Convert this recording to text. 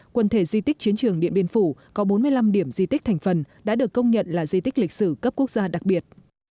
quần thể di tích chiến trường điện biên phủ có bốn mươi năm điểm di tích thành phần đã được công nhận là di tích lịch sử cấp quốc gia đặc biệt